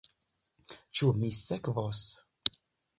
Ĉu mi sekvos?